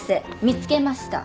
見つけました。